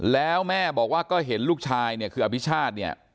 แล้วแม่บอกว่าก็เห็นลูกชายเนี่ยคืออภิชาติเนี่ย